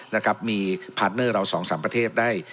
นะครับมีพาร์ทเนอร์เราสองสามประเทศได้